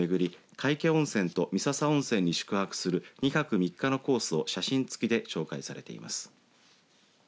皆生温泉と三朝温泉に宿泊する２泊３日のコースを写真つきで紹介しています。